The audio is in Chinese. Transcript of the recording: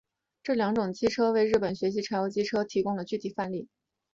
这两种机车为日本学习柴油机车技术提供了具体范例。